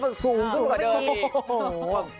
ก็สูงขึ้นมากกว่าเดิมอีก